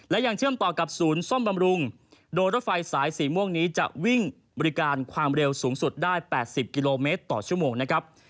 และยังเชื่อมต่อกับศูนย์ซ่อมบำรุงโดยรถไฟสายสีม่วงนี้จะวิ่งบริการความเร็วสูงสุดได้๘๐กิโลเมตรต่อชั่วโมงนะครับ